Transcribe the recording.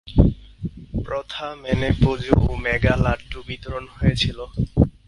প্রথা মেনে পুজো ও মেঘা লাড্ডু বিতরণ হয়েছিল।